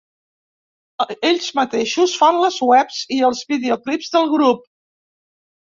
Ells mateixos fan les webs i els videoclips del grup.